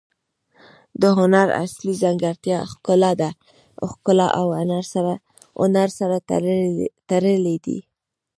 د هنر اصلي ځانګړتیا ښکلا ده. ښګلا او هنر سره تړلي دي.